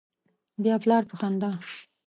بیا پلار په خندا